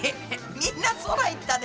みんな空行ったね。